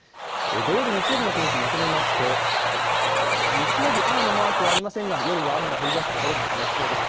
土曜日、日曜日の天気をまとめますと日曜日、雨のマークはありませんが夜、雨の降りだす所がありそうです。